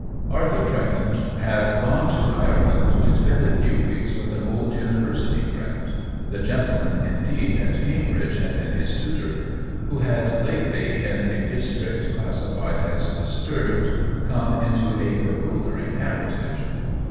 Arthur Tregent had gone to Ireland to spend a few weeks with an old university friend — the gentleman, indeed, at Cam bridge, had been his tutor — who had lately, in a district classified as " disturbed," come into a bewildering heritage.